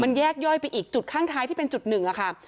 แยกย่อยไปอีกจุดข้างท้ายที่เป็นจุดหนึ่งอะค่ะ